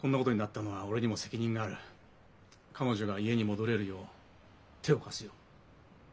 彼女が家に戻れるよう手を貸すよ。